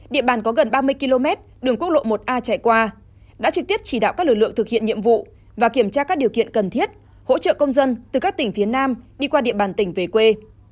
địa bàn có gần ba mươi km đường quốc lộ một a chạy qua đã trực tiếp chỉ đạo các lực lượng thực hiện nhiệm vụ và kiểm tra các điều kiện cần thiết hỗ trợ công dân từ các tỉnh phía nam đi qua địa bàn tỉnh về quê